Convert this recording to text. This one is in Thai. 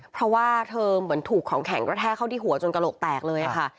เพราะว่าเธอเหมือนถูกของแข็งกระแทกเข้าที่หัวจนกระโหลกแตกเลยค่ะ